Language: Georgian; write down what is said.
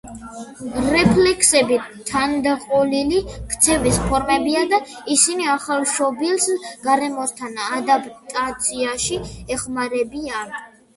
რეფლექსები თანდაყოლილი ქცევის ფორმებია და ისინი ახალშობილს გარემოსთან ადაპტაციაში ეხმარებიან.